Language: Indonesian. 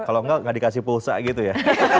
kalau enggak nggak dikasih pulsa gitu ya